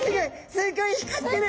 すっギョい光ってる！